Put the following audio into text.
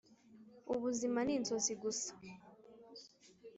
ubuzima ni inzozi gusa! -